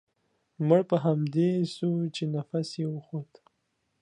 مړ په همدې سو چې نفس يې و خوت.